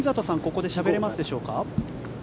ここでしゃべれますでしょうか。